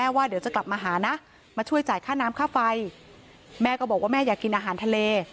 จริงจริงจริงจริงจริงจริงจริง